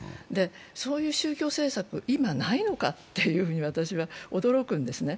そういう宗教政策、今ないのかって私は驚くんですね。